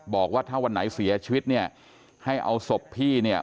บอกว่าถ้าวันไหนเสียชีวิตเนี่ยให้เอาศพพี่เนี่ย